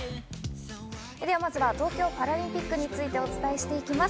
まずは東京パラリンピックについてお伝えしていきます。